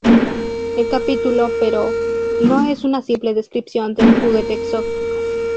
El capítulo pero, no es una simple descripción de un juguete exótico.